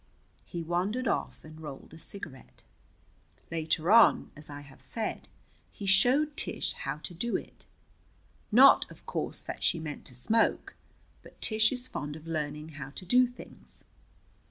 He wandered off and rolled a cigarette. Later on, as I have said, he showed Tish how to do it not, of course, that she meant to smoke, but Tish is fond of learning how to do things.